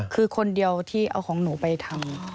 คือคนเดียวที่เอาของหนูไปทำ